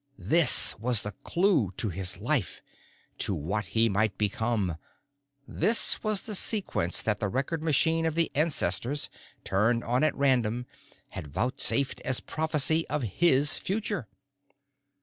This was the clue to his life, to what he might become. This was the sequence that the record machine of the ancestors, turned on at random, had vouchsafed as a prophecy of his future.